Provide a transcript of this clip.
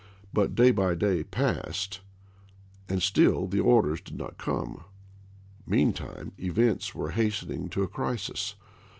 but day by day passed, and still the orders did not come. Meantime events were hastening to a crisis.